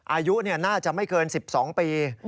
อายุน่าจะไม่เกิน๑๒ปี